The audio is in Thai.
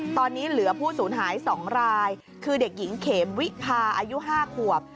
ตอนนี้เหลือผู้สูญหาย๒รายคือเด็กหญิงเขมวิพาอายุ๕ขวบ